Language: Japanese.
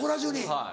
はい。